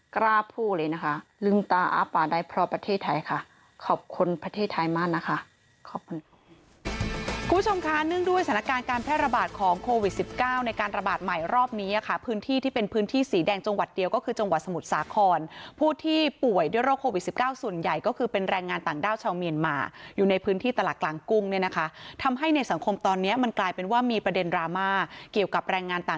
กล้าพูดเลยนะคะลืมตาอ้าปาได้เพราะประเทศไทยค่ะขอบคุณประเทศไทยมากนะคะขอบคุณ